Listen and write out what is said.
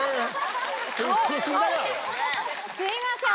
すいません。